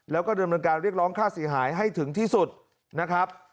แล้วก็ดำเนินการเรียกร้องค่าเสียหายให้ถึงที่สุดนะครับ